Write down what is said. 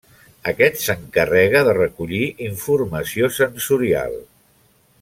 Aquest s'encarrega de recollir informació sensorial.